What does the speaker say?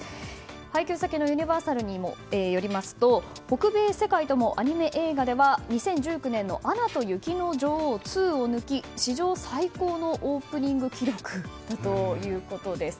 配給先のユニバーサルによりますと北米、世界ともアニメ映画では２０１９年の「アナと雪の女王２」を抜き史上最高のオープニング記録だということです。